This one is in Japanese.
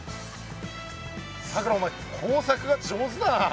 さくらお前工作が上手だな。